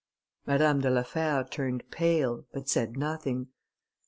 Madame de la Fère turned pale, but said nothing.